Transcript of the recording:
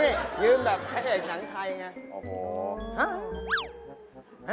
นี่ยืมแบบแพ่ใหญ่หนังไทยอย่างนี้